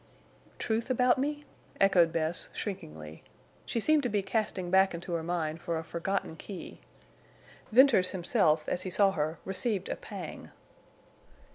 "Truth about me?" echoed Bess, shrinkingly. She seemed to be casting back into her mind for a forgotten key. Venters himself, as he saw her, received a pang.